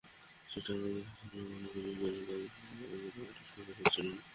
চিটাগং কিংসের হয়ে প্রথম বিপিএলে তামিমের অভিজ্ঞতা মোটেও সুখকর ছিল না।